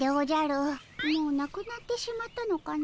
もうなくなってしまったのかの。